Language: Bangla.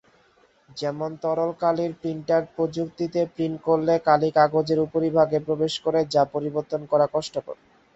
যেমন তরল কালির প্রিন্টার প্রযুক্তিতে প্রিন্ট করলে কালি কাগজের উপরিভাগে প্রবেশ করে যা পরিবর্তন করা কষ্টকর।